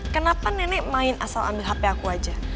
kenapa nenek main asal ambil hp aku aja